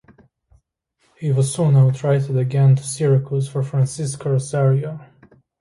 He was soon outrighted again to Syracuse for Francisco Rosario.